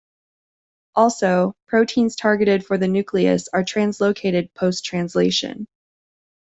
Also, proteins targeted for the nucleus are translocated post-translation.